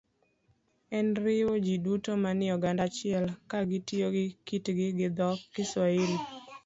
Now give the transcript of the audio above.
en riwo ji duto manie oganda achiel ka gitiyo gi kitgi gi dho - Kiswahili.